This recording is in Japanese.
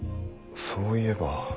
そういえば。